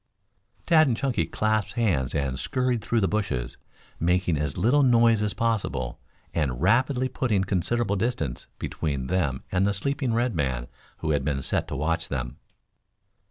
Tad and Chunky clasped hands and scurried through the bushes, making as little noise as possible, and rapidly putting considerable distance between them and the sleeping red man who had been set to watch them.